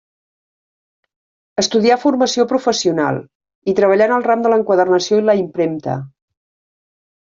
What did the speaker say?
Estudià formació professional i treballà en el ram de l'enquadernació i la impremta.